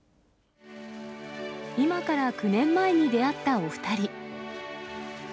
今から９年前に出会ったお２人。